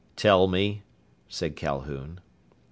"Tell me," said Calhoun.